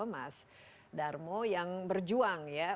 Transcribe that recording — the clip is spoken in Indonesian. mas darmo yang berjuang ya